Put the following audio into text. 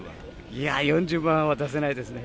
いや、４０万は出せないですね。